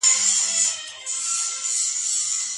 په واقعيت کي اسلام رښتينی او د بشر د نجات دين دی.